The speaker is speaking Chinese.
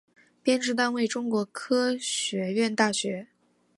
编制单位中国科学院大学